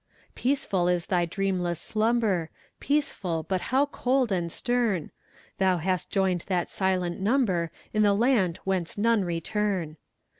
Peaceful is thy dreamless slumber; Peaceful, but how cold and stern! Thou hast joined that silent number In the land whence none return!